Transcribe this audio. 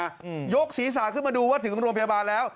หัวขึ้นมายกศีรษะขึ้นมาดูว่าถึงโรงพยาบาลแล้ว